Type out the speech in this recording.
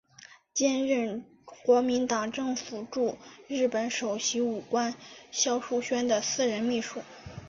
兼任国民党政府驻日本首席武官肖叔宣的私人秘书。